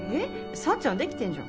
幸ちゃんできてんじゃん。